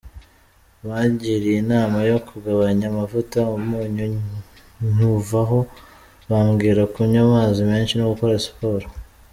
Bangiriye inama yo kugabanya amavuta, umunyu nywuvaho, bambwira kunywa amazi menshi no gukora siporo.